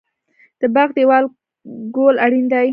د باغ دیوال کول اړین دي؟